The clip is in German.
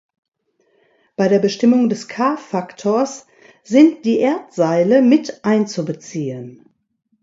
Bei der Bestimmung des K-Faktors sind die Erdseile mit einzubeziehen.